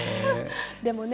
でもね